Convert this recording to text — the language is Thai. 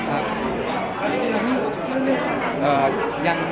อ่ายัง